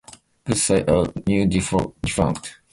Both sites are now defunct.